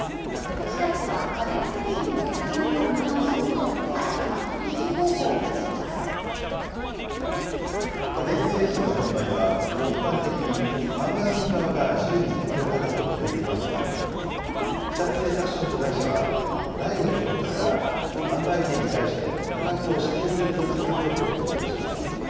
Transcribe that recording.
日立は家電製品の値下がりを見直そうと、家電製品の販売は、一般的に販売店側が自由に店頭価格を決めていますが、日立製作所の子会社は、来月４日から、販売店に対して価格を指定する取り引き方法を導入します。